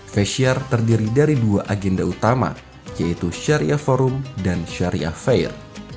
festiar terdiri dari dua agenda utama yaitu syariah forum dan syariah fair